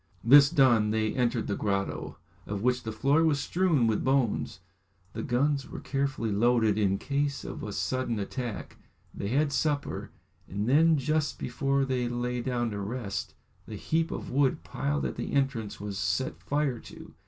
This done, they entered the grotto, of which the floor was strewn with bones, the guns were carefully loaded, in case of a sudden attack, they had supper, and then just before they lay down to rest, the heap of wood piled at the entrance was set fire to.